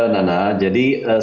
nana jadi sejak